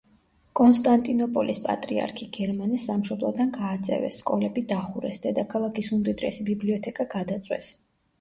კონსტანტინოპოლის პატრიარქი გერმანე სამშობლოდან გააძევეს, სკოლები დახურეს, დედაქალაქის უმდიდრესი ბიბლიოთეკა გადაწვეს.